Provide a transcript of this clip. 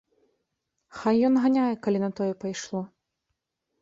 Хай ён ганяе, калі на тое пайшло.